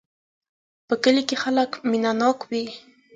په کلي کې خلک مینه ناک وی